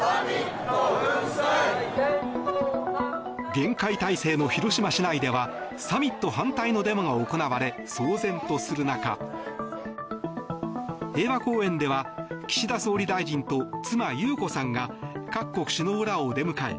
厳戒態勢の広島市内ではサミット反対のデモが行われ騒然とする中、平和公園では岸田総理大臣と妻・裕子さんが各国首脳らを出迎え